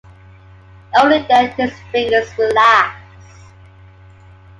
Only then did his fingers relax.